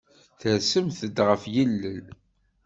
Tersemt-d ɣef yilel.